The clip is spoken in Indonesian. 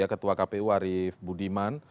ketua kpu arief budiman